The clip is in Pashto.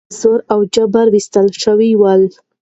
هغوی په زور او جبر ویستل شوي ول.